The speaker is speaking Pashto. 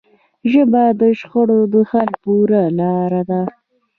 ژبه د شخړو د حل یوه لاره ده